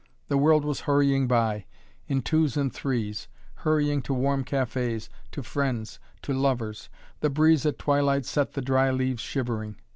The world was hurrying by in twos and threes hurrying to warm cafés, to friends, to lovers. The breeze at twilight set the dry leaves shivering.